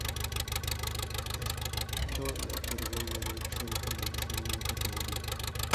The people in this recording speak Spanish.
Esto le otorgó el derecho de permanecer en la categoría.